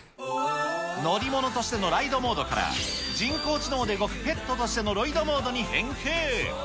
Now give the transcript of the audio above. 乗り物としてのライドモードから、人工知能で動くペットとしてのロイドモードに変形。